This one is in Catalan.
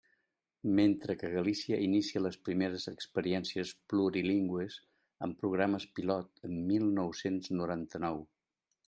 Mentre que Galícia inicia les primeres experiències plurilingües amb programes pilot en mil nou-cents noranta-nou.